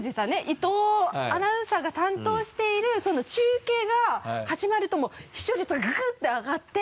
伊東アナウンサーが担当している中継が始まるともう視聴率がググッて上がって。